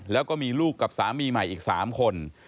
แล้วก็มีลูกกับสามีใหม่อีก๓คน